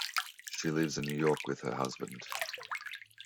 She lives in New York with her husband.